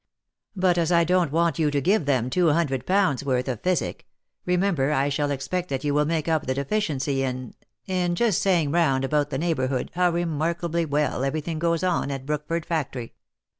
But as I don't want you to give them two hundred pounds' worth of physic, remember I shall expect that you will make up the deficiency in — in just saying round about the neighbourhood how remarkably well every thing goes on at Brookford Factory.